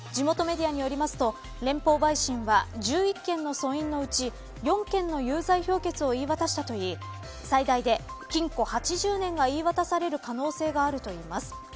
地元メディアによりますと連邦陪審は１１件の訴因のうち４県の有罪評決を言い渡したといい最大で禁錮８０年が言い渡される可能性があるといいます。